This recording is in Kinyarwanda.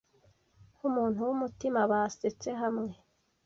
Nkumuntu wumutima. Basetse hamwe.